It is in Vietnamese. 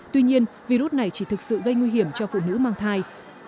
tuy nhiên virus này chỉ thực sự gây nguy hiểm cho phụ nữ mang thai